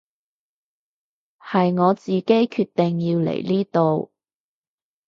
係我自己決定要嚟呢度